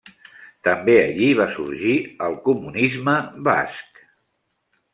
També allí va sorgir el comunisme basc.